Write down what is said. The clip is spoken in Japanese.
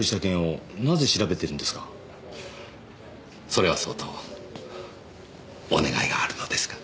それはそうとお願いがあるのですが。